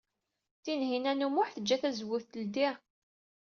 Tinhinan u Muḥ tejja tazewwut teldey.